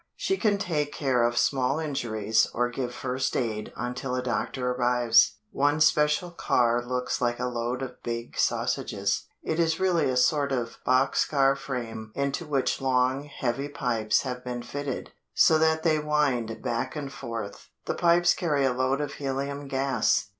She can take care of small injuries or give first aid until a doctor arrives. One special car looks like a load of big sausages. It is really a sort of boxcar frame into which long, heavy pipes have been fitted so that they wind back and forth. The pipes carry a load of helium gas.